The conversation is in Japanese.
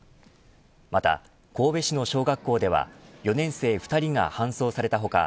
また神戸市の小学校では４年生２人が搬送された他